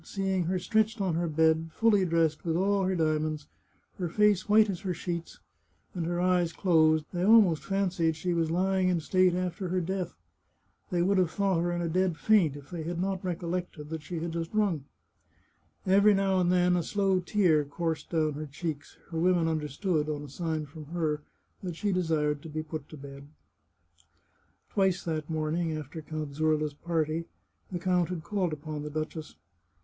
Seeing her stretched on her bed, fully dressed, with all her diamonds, her face white as her sheets, and her eyes closed, they almost fancied she was lying in state after her death. They would have thought her in a dead faint, if they had not recollected that she had just rung. Every now and then a slow tear coursed down her cheeks ; her women understood, on a sign from her, that she desired to be put to bed. Twice that morning, after Count Zurla's party, the count had called upon the duchess.